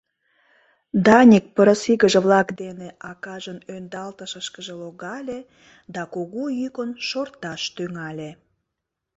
Даник пырысигыже-влак дене акажын ӧндалтышышкыже логале да кугу йӱкын шорташ тӱҥале.